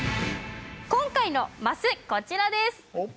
今回のマスこちらです